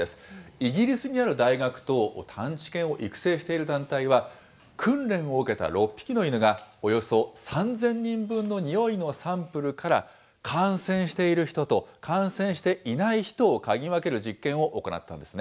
イギリスにある大学と探知犬を育成している団体は、訓練を受けた６匹の犬が、およそ３０００人分の匂いのサンプルから、感染している人と、感染していない人を嗅ぎ分ける実験を行っています。